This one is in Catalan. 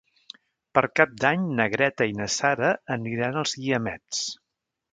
Per Cap d'Any na Greta i na Sara aniran als Guiamets.